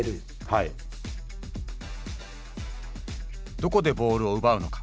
どこでボールを奪うのか。